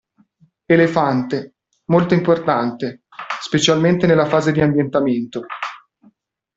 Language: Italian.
Elefante: molto importante, specialmente nella fase di ambientamento.